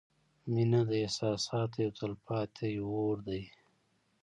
• مینه د احساساتو یو تلپاتې اور دی.